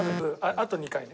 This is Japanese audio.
あと２回ね。